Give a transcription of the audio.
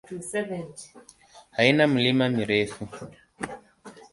Haina milima mirefu.